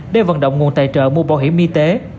để vận động nguồn tài trợ mua bảo hiểm y tế